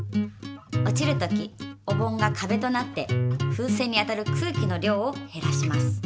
落ちる時お盆がかべとなって風船に当たる空気の量をへらします。